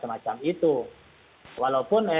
semacam itu walaupun